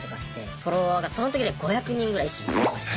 フォロワーがその時で５００人ぐらい一気に増えました。